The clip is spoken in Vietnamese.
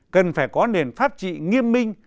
cần phải có nền pháp trị nghiêm minh